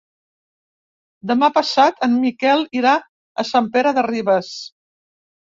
Demà passat en Miquel irà a Sant Pere de Ribes.